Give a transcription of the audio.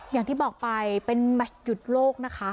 อย่างที่บอกไปเป็นแมชหยุดโลกนะคะ